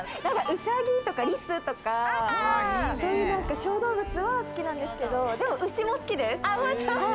うさぎとかリスとか、そういう小動物は好きなんですけど、でも、牛も好きです。